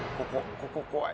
ここ怖い。